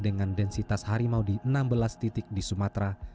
dengan densitas harimau di enam belas titik di sumatera